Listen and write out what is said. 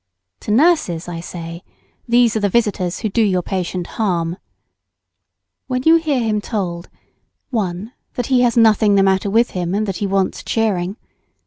To nurses I say these are the visitors who do your patient harm. When you hear him told: 1. That he has nothing the matter with him, and that he wants cheering.